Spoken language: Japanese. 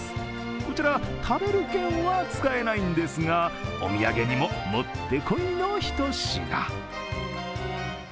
こちら、食べる券は使えないんですがお土産にももってこいの一品。